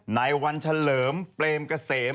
นายวัญเฉลิมเปลมเกษม